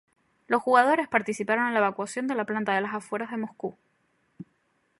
Los jugadores participaron en la evacuación de la planta de las afueras de Moscú.